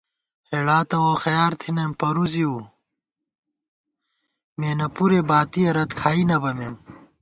ہېڑا تہ ووخیار تھنئیم پرُوزِیؤ ، مېنہ پُرے باتِیہ رت کھائی نہ بَمېم